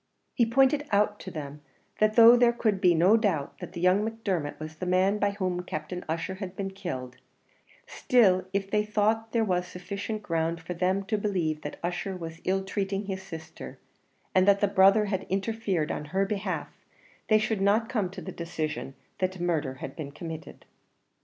He pointed out to them that though there could be no doubt that young Macdermot was the man by whom Captain Ussher had been killed, still if they thought there was sufficient ground for them to believe that Ussher was ill treating his sister, and that the brother had interfered on her behalf, they should not come to the decision that murder had been committed.